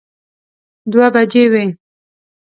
دوه بجې وې.